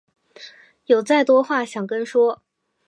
有再多话想跟说